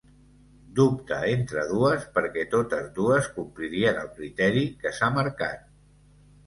Dubta entre dues perquè totes dues complirien el criteri que s'ha marcat.